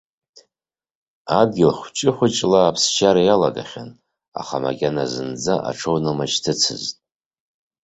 Адгьыл хәыҷы-хәыҷла аԥсшьара иалагахьан, аха макьана зынӡа аҽоунамышьҭыцызт.